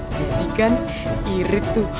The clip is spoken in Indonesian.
jadi kan irit tuh